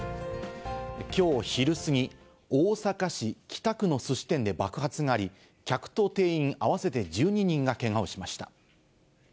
きょう昼過ぎ、大阪市北区のすし店で爆発があり、客と店員合わせて１２人がけがをしました。